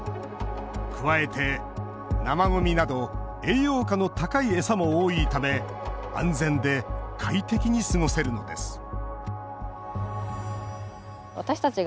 加えて、生ごみなど栄養価の高い餌も多いため安全で快適に過ごせるのです